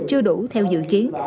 chưa đủ theo dự kiến